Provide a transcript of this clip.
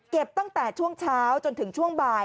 ตั้งแต่ช่วงเช้าจนถึงช่วงบ่าย